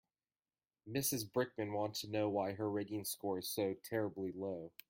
Mrs Brickman wants to know why her rating score is so terribly low.